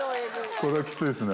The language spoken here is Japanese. これはきついですね。